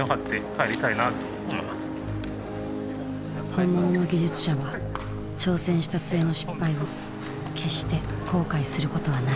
本物の技術者は挑戦した末の失敗を決して後悔することはない。